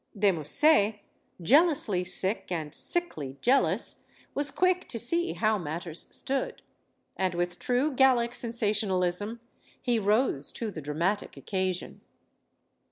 De Musset, jealously sick and sickly jealous, was quick to see how matters stood. And with true Gallic sensationalism, he rose to the dramatic occasion.